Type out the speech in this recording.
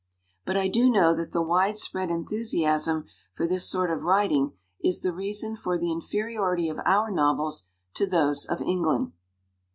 But I do know that the widespread enthusiasm for this sort of writing is the reason for the inferiority of our novels to those of England.